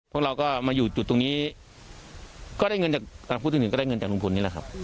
พวกเราก็มาอยู่จุดตรงนี้ก็ได้เงินจากการพูดถึงก็ได้เงินจากลุงพลนี่แหละครับ